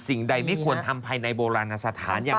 สิ่งใดไม่ควรทำภายในโบราณสถานยังชัดเจน